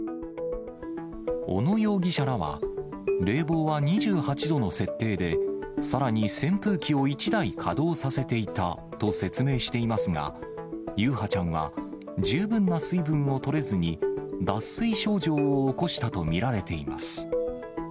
小野容疑者らは、冷房は２８度の設定で、さらに扇風機を１台稼働させていたと説明していますが、優陽ちゃんは十分な水分をとれずに、脱水症状を起こしたと見られています。